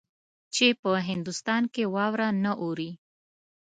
چې په هندوستان کې واوره نه اوري.